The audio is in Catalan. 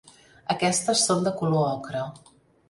Aquestes són de color ocre.